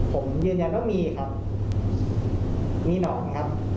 ผมยืนยันว่ามีครับมีหนอนครับ